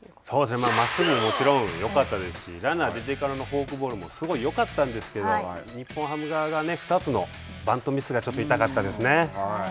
まっすぐはもちろんよかったですし、ランナーが出てからのフォークボールもすごいよかったんですけど、日本ハム側が、２つのバントミスがちょっと痛かったですね。